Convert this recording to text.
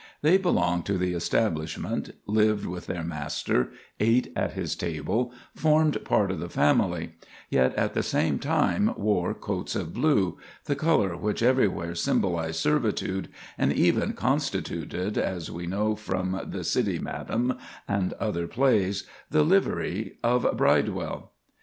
They belonged to the establishment, lived with their master, ate at his table, formed part of the family; yet at the same time wore coats of blue—the color which everywhere symbolized servitude, and even constituted, as we know from "The City Madam" and other plays, the livery of Bridewell.